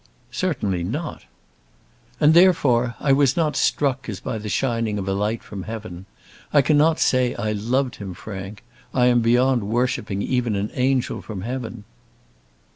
"Certainly not." "And therefore I was not struck, as by the shining of a light from heaven. I cannot say I loved him. Frank, I am beyond worshipping even an angel from heaven!"